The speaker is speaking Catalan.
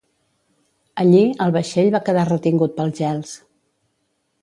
Allí el vaixell va quedar retingut pels gels.